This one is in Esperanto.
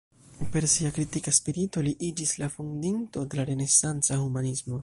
Per sia kritika spirito, li iĝis la fondinto de la renesanca humanismo.